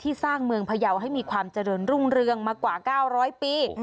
สร้างเมืองพยาวให้มีความเจริญรุ่งเรืองมากว่า๙๐๐ปี